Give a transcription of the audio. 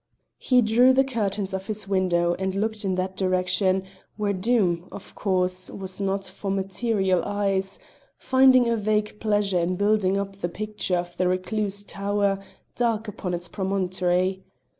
He drew the curtains of his window and looked in that direction where Doom, of course, was not for material eyes, finding a vague pleasure in building up the picture of the recluse tower, dark upon its promontory.